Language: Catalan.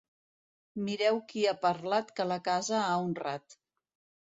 Mireu qui ha parlat que la casa ha honrat.